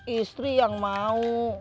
istri yang mau